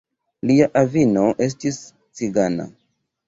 Lia avino estis cigana.